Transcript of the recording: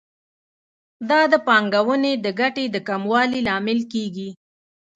دا د پانګونې د ګټې د کموالي لامل کیږي.